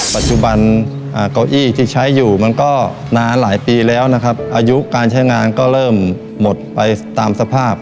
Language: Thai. เก้าอี้ที่ใช้อยู่มันก็นานหลายปีแล้วนะครับอายุการใช้งานก็เริ่มหมดไปตามสภาพ